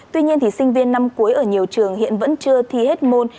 tuy nhiên sinh viên năm cuối ở nhiều trường hiện vẫn chưa thi hết môn